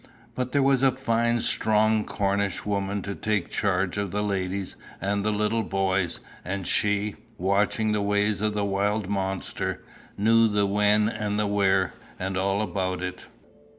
But there was a fine strong Cornish woman to take charge of the ladies and the little boys, and she, watching the ways of the wild monster, knew the when and the where, and all about it.